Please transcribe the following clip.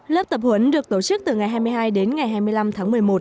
lớp tập huấn được tổ chức từ ngày hai mươi hai đến ngày hai mươi năm tháng một mươi một